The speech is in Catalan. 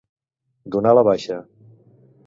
Donar la baixa.